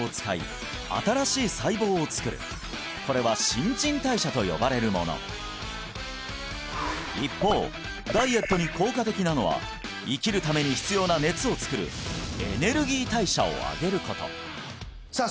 これは新陳代謝と呼ばれるもの一方ダイエットに効果的なのは生きるために必要な熱を作るエネルギー代謝を上げることさあ